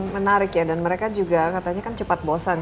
menarik ya dan mereka juga katanya kan cepat bosan